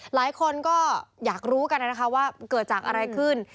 หลายคนก็อยากรู้กันนะคะว่าเกิดจากอะไรขึ้น